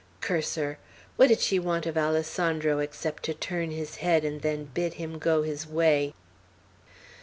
Curse her! What did she want of Alessandro, except to turn his head, and then bid him go his way!"